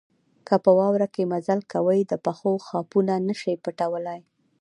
که په واوره کې مزل کوئ د پښو خاپونه نه شئ پټولای.